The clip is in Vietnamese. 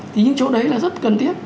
thì những chỗ đấy là rất cần thiết